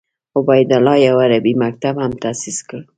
عبیدالله یو عربي مکتب هم تاسیس کړ.